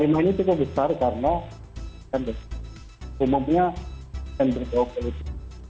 lima puluh lima ini cukup besar karena umumnya yang berjauh lebih